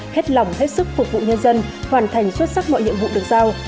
hết lòng hết sức phục vụ nhân dân hoàn thành xuất sắc mọi nhiệm vụ được giao